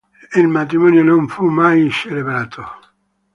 Il matrimonio non fu mai celebrato.